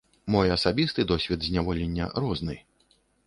Мой асабісты досвед зняволення розны.